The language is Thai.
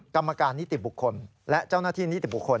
กรรมการนิติบุคคลและเจ้าหน้าที่นิติบุคคล